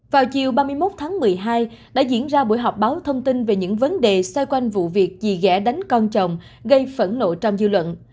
vào chiều ba mươi một tháng một mươi hai đã diễn ra buổi họp báo thông tin về những vấn đề xoay quanh vụ việc gì ghẽ đánh con chồng gây phẫn nộ trong dư luận